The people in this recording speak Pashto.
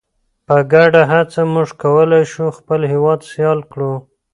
په ګډه هڅه موږ کولی شو خپل هیواد سیال کړو.